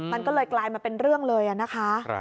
มันก็เลยกลายมาเป็นเรื่องเลยนะคะ